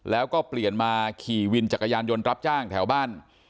แล้วก็เปลี่ยนมาขี่วินจักรยานยนต์รับจ้างแถวบ้าน